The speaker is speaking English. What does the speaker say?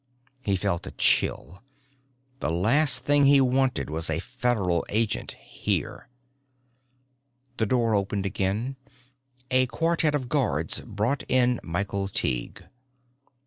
He felt a chill. The last thing he wanted was a Federal agent here. The door opened again. A quartet of guards brought in Michael Tighe.